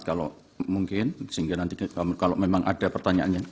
kalau mungkin sehingga nanti kalau memang ada pertanyaannya